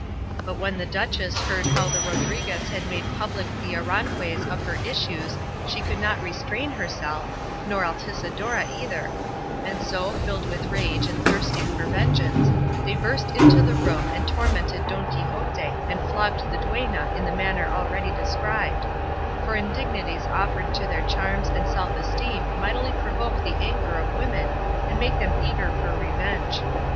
But when the duchess heard how the Rodriguez had made public the Aranjuez of her issues she could not restrain herself, nor Altisidora either; and so, filled with rage and thirsting for vengeance, they burst into the room and tormented Don Quixote and flogged the duenna in the manner already described; for indignities offered to their charms and self esteem mightily provoke the anger of women and make them eager for revenge.